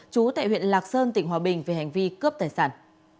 chú tại huyện lạc sơn tỉnh hòa bình về hành vi cướp tài sản